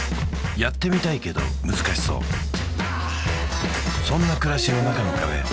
やってみたいけど難しそうそんな暮らしのなかの壁